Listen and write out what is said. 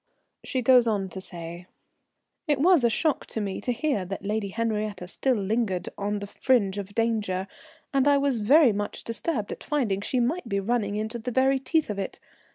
_] She goes on to say: It was a shock to me to hear that Henriette still lingered on the fringe of danger, and I was very much disturbed at finding she might be running into the very teeth of it.